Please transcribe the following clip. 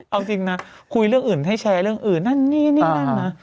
เอาจริงนะคุยเรื่องอื่นให้แชร์เรื่องอื่นนั่นนี่นี่นั่นนะ